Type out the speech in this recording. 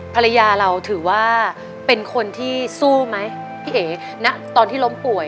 ภรรยาเราถือว่าเป็นคนที่สู้ไหมพี่เอ๋ณตอนที่ล้มป่วย